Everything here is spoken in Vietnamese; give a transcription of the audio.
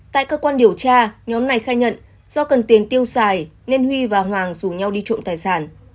tại cơ quan điều tra nhóm này khai nhận do cần tiền tiêu xài nên huy và hoàng rủ nhau đi trộm tài sản